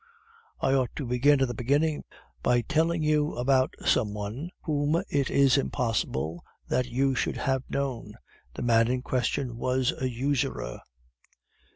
I ought to begin at the beginning by telling you about some one whom it is impossible that you should have known. The man in question was a usurer.